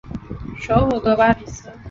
首府戈巴比斯。